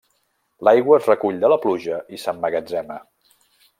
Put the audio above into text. L'aigua es recull de la pluja i s'emmagatzema.